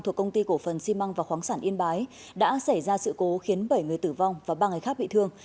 thuộc công ty cổ phần xi măng và khoáng sản yên bái đã xảy ra sự cố khiến bảy người tử vong và ba người khác bị thương